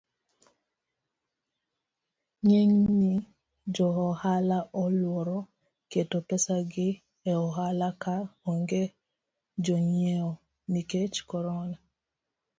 Ng'eny jo ohala luoro keto pesagi eohala ka onge jonyiewo nikech corona.